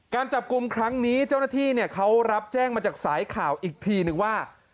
การจับกลุ่มครั้งนี้เจ้าหน้าที่เขารับแจ้งมาจากสายข่าวอีกทีนึงว่า